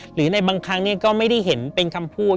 หรือในบางครั้งก็ไม่ได้เห็นเป็นคำพูด